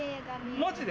マジで？